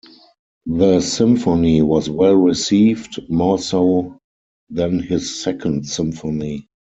The symphony was well received, more so than his Second Symphony.